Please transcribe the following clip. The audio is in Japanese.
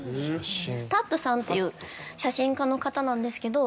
Ｔａｔさんという写真家の方なんですけど。